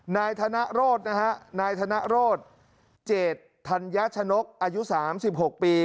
นายธนโรธนะฮะนายธนโรธเจตธัญชนกอายุ๓๖ปี